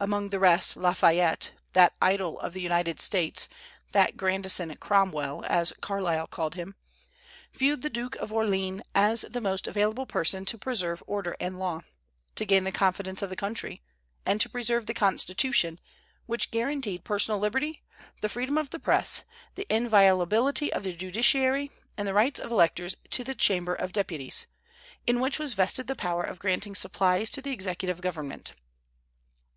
among the rest Lafayette, that idol of the United States, that "Grandison Cromwell," as Carlyle called him, viewed the Duke of Orléans as the most available person to preserve order and law, to gain the confidence of the country, and to preserve the Constitution, which guaranteed personal liberty, the freedom of the Press, the inviolability of the judiciary, and the rights of electors to the Chamber of Deputies, in which was vested the power of granting supplies to the executive government.